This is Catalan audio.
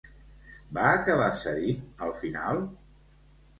Va acabar cedint, al final?